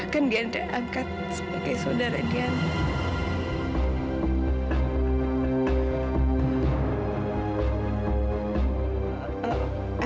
kan dianra angkat sebagai saudara dianra